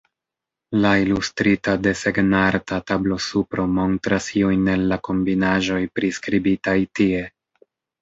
La ilustrita desegn-arta tablo-supro montras iujn el la kombinaĵoj priskribitaj tie.